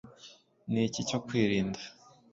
ni iki cyo kwirinda